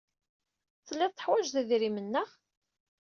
Tellid teḥwajed idrimen, naɣ?